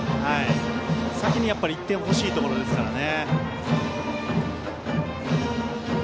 先に１点欲しいところですからね。